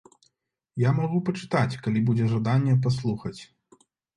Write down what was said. Я магу пачытаць, калі будзе жаданне паслухаць.